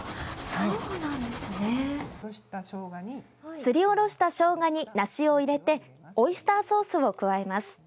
すりおろしたしょうがに梨を入れてオイスターソースを加えます。